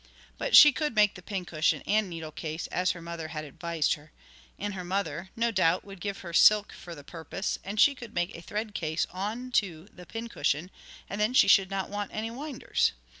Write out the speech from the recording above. But she could make the pincushion and needle case, as her mother had advised her, and her mother, no doubt, would give her silk for the purpose; and she could make a thread case on to the pincushion; and then she should not want any winders.